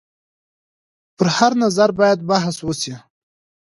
پر هر نظر باید بحث وشي.